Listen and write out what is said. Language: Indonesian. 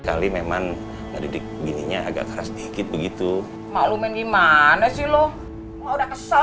kali memang dari dik bininya agak keras dikit begitu malu menyimak nasi loh udah kesal